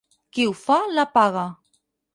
Qui ho fa la paga.